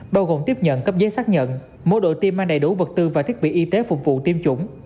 bao gồm tiếp nhận cấp giấy xác nhận mỗi đội tiêm mang đầy đủ vật tư và thiết bị y tế phục vụ tiêm chủng